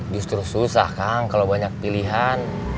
justru susah kan kalau banyak pilihan